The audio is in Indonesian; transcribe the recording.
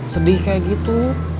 sedih kayak gitu